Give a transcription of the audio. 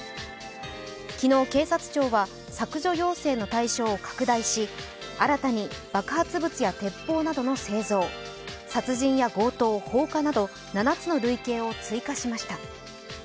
昨日、警察庁は削除要請の対象を拡大し新たに爆発物や鉄砲などの製造殺人や強盗、放火など７つの類型を追加しました。